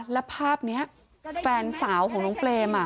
แล้วภาพนี้แฟนสาวของน้องเปรม